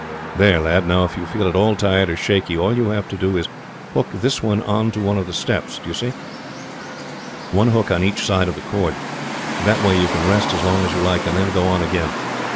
"There, lad! Now, if you feel at all tired or shaky, all you have got to do is to hook this on to one of the steps. Do you see? One hook on each side of the cord. That way you can rest as long as you like, and then go on again.